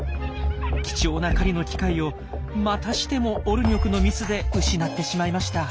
貴重な狩りの機会をまたしてもオルニョクのミスで失ってしまいました。